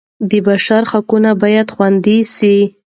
د بشر حقوق باید خوندي سي.